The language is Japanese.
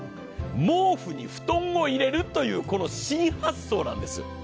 毛布に布団を入れるという新発想なんです。